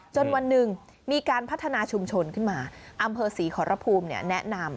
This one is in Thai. วันหนึ่งมีการพัฒนาชุมชนขึ้นมาอำเภอศรีขอรภูมิแนะนำ